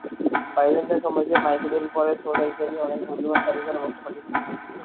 Byzantine সাম্রাজ্যের Michael এর পরে শ্রদ্ধা হিসাবে অনেক মূল্যবান কারিগরি ও বস্ত্র পাঠিয়েছিলেন।